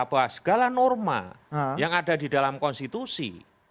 bahwa segala norma yang ada di dalam konstitusi